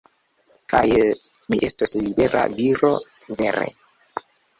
Kaj... mi estos libera viro, vere.